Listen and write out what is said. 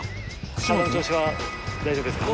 体の調子は大丈夫ですか？